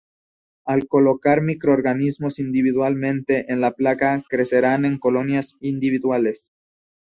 Al colocar microorganismos individualmente en la placa crecerán en colonias individuales.